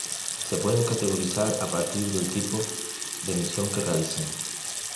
Se pueden categorizar a partir del tipo de misión que realicen.